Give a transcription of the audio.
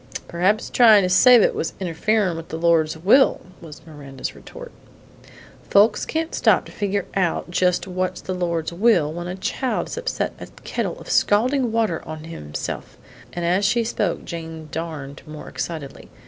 "Perhaps tryin' to save it was interferin' with the Lord's will," was Miranda's retort. "Folks can't stop to figure out just what's the Lord's will when a child has upset a kettle of scalding water on to himself," and as she spoke Jane darned more excitedly.